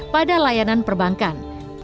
pada layanan perbankan